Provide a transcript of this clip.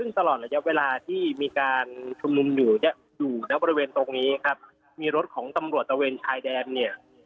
ซึ่งตลอดระยะเวลาที่มีการชุมนุมอยู่เนี่ยอยู่ณบริเวณตรงนี้ครับมีรถของตำรวจตะเวนชายแดนเนี่ย